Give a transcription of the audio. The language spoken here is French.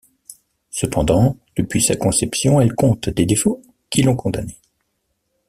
Cependant, depuis sa conception elle compte des défauts qui l'ont condamnée.